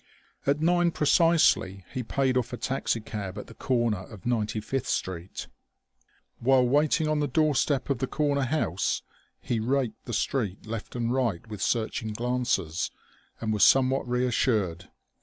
At nine precisely he paid off a taxicab at the corner of Ninety fifth Street. While waiting on the doorstep of the corner house, he raked the street right and left with searching glances, and was somewhat reassured.